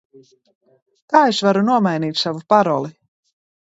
Kā es varu nomainīt savu paroli?